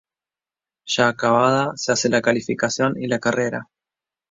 Ya acabada, se hace la calificación y la carrera.